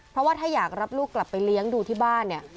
เพราะว่าถ้าอยากรับลูกกลับไปเลี้ยงดูที่บ้านเนี่ย